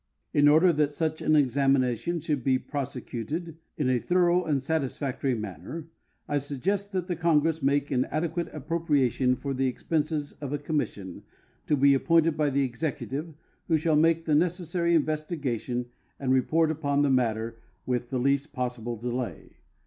In order that such an examination should be prosecuted in a thorough and satisfoctory manner, I suggest that the Congress make an adniuate appropriation for the expenses of a commission, to })e appointed by the Executive, who shall make the necessary investigation and re|>ort "u|)on the matter with the least possible delay.